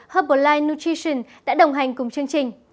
herbalife nutrition đã đồng hành cùng chương trình